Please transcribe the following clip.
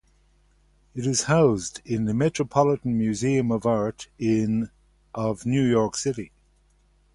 It is housed in the Metropolitan Museum of Art of New York City.